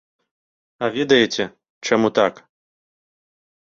А ведаеце, чаму так?